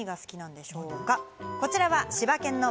さぁ、何が好きなんでしょうか。